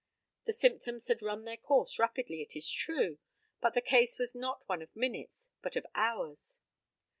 The symptoms had run their course rapidly, it is true, but the case was not one of minutes, but of hours.